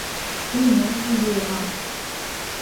We know who you are.